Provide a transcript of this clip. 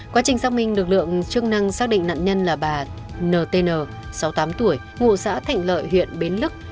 quá trình xác minh lực lượng chức năng xác định nạn nhân là bà ntn sáu mươi tám tuổi ngụ xã thạnh lợi huyện bến lức